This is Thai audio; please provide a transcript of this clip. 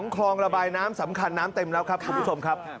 คลองระบายน้ำสำคัญน้ำเต็มแล้วครับคุณผู้ชมครับ